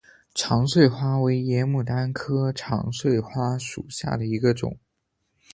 长穗花为野牡丹科长穗花属下的一个种。